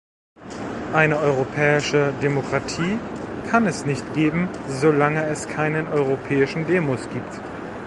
Eine europäische Demokratie kann es nicht geben, solange es keinen europäischen Demos gibt.